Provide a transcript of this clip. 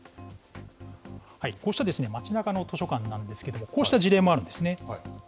こうした街なかの図書館なんですけれども、こうした事例もあるんですね。